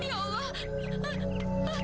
ya tuhan aku hamil